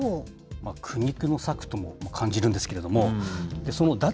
苦肉の策とも感じるんですけれども、その脱